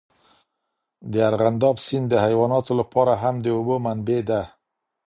د ارغنداب سیند د حیواناتو لپاره هم د اوبو منبع ده.